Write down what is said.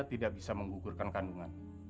tidak bisa menggugurkan kandungan